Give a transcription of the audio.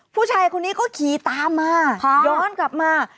ผู้ชายคนนี้ก็ขี่ตามมาย้อนกลับมา